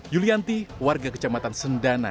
yulianti warga kecamatan sendana